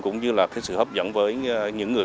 cũng như sự hấp dẫn với những người